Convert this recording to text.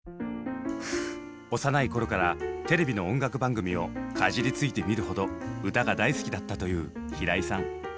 幼い頃からテレビの音楽番組をかじりついて見るほど歌が大好きだったという平井さん。